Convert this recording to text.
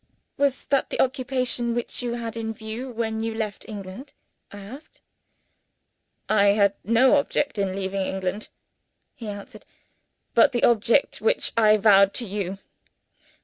"Was that the occupation which you had in view when you left England?" I asked. "I had no object in leaving England," he answered, "but the object which I avowed to you.